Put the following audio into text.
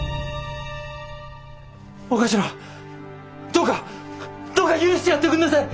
どうかどうか許してやっておくんなせえ！